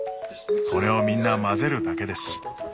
これをみんな混ぜるだけです。